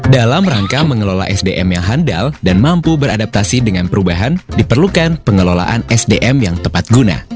dalam rangka mengelola sdm yang handal dan mampu beradaptasi dengan perubahan diperlukan pengelolaan sdm yang tepat guna